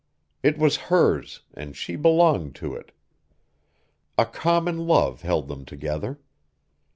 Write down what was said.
It was hers, and she belonged to it. A common love held them together.